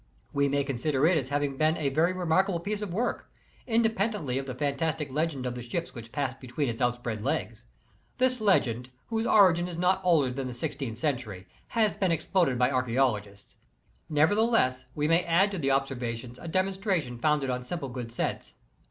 We may consider it as having been a very remarkable piece of work, independently of the fantastic legend of the ships which passed between its outspread legs. This legend, whose origin is not older than the sixteenth century, has been exploded by arch aeologists ; nevertheless we may add to the observations a demonstration founded on simple good sense.